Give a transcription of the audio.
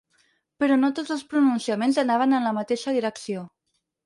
Però no tots els pronunciaments anaven en la mateixa direcció.